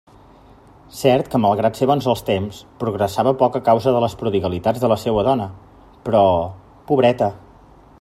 Cert que malgrat ser bons els temps, progressava poc a causa de les prodigalitats de la seua dona; però... pobreta!